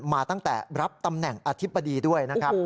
มาตั้งแต่รับตำแหน่งอธิบดีด้วยนะครับ